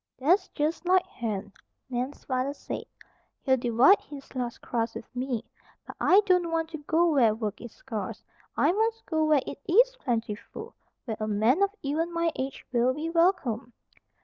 "That's just like Hen," Nan's father said. "He'd divide his last crust with me. But I don't want to go where work is scarce. I must go where it is plentiful, where a man of even my age will be welcome."